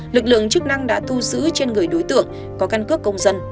lực lượng chức năng đã thu xứ trên người đối tượng có căn cướp công dân